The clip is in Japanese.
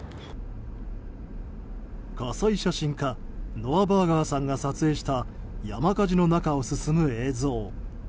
火災写真家ノア・バーガーさんが撮影した山火事の中を進む映像。